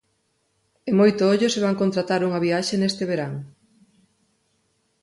E moito ollo se van contratar unha viaxe neste verán.